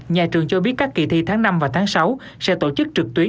nhà trường cho biết các kỳ thi tháng năm và tháng sáu sẽ tổ chức trực tuyến